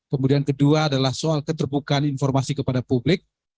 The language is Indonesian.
kemudian kedua adalah soal keterbukaan informasi kepada publik